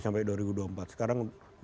sampai dua ribu dua puluh empat sekarang